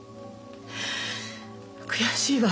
悔しいわ。